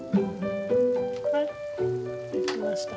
はい出来ました。